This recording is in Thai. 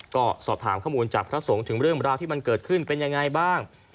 ก็สอบถามข้อมูลจับพิธราศงษ์ถึงเรื่องราวที่มันเป็นยังไงบ้าง